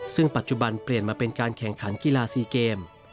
ซึ่งปัจจุบันเปลี่ยนมาเป็นการแข่งขันกีฬาซีเกม